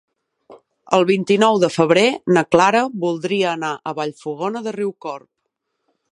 El vint-i-nou de febrer na Clara voldria anar a Vallfogona de Riucorb.